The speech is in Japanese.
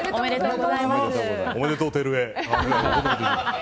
おめでとう、てるえ！